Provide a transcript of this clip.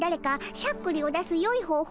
しゃっくりを出す方法